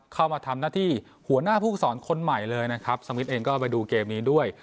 เข้ามาทำหน้าที่หัวหน้าผู้ฝึกสอนคนใหม่เลยนะครับสมิทเองก็ไปดูเกมนี้ด้วย